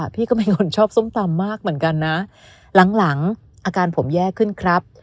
พี่ก็เป็นคนชอบส้มตำมากเหมือนกันนะหลังอาการผมแย่ขึ้นครับ